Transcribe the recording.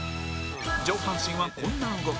上半身は、こんな動き